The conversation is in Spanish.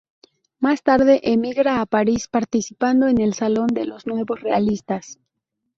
Más tarde emigra a París, participando en el Salón de los Nuevos Realistas.